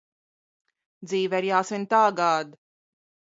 Dzīve ir jāsvin tagad!